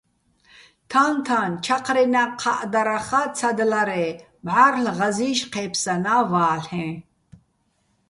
თაჼ-თაჼ ჩაჴრენა́ ჴა́ჸდარახა́ ცადლარე́ მჵარლ' ღაზი́შ ჴე́ფსანა́ ვალ'ეჼ.